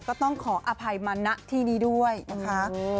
ก็ต้องขออภัยมาณที่นี้ด้วยนะคะ